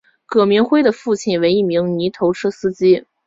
葛民辉的父亲为一名泥头车司机。